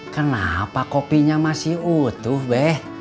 kenapa kopinya masih utuh beh